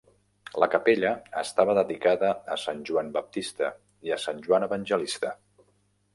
La capella estava dedicada a sant Joan Baptista i a sant Joan Evangelista.